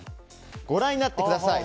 ご覧になってください。